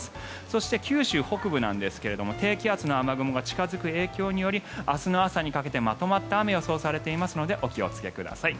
そして、九州北部なんですが低気圧の雨雲が近付く影響により明日の朝にかけてまとまった雨が予想されていますのでお気をつけください。